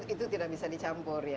itu tidak bisa dicampur ya